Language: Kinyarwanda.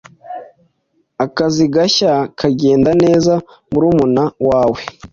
Akazi gashya kagenda neza murumuna wawe?